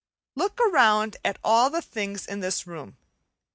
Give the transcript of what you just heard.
Look around at all the things in this room.